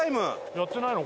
やってないの？